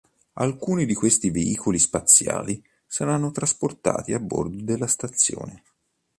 Alcuni di questi veicoli spaziali saranno trasportati a bordo della stazione.